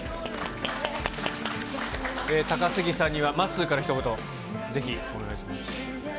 高杉さんには、まっすーからひと言、ぜひ、お願いします。